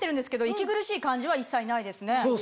息苦しい感じは一切ないですね。